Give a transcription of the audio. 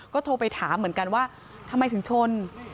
ก็โทรไปถามเหมือนกันว่าทำไมถึงชน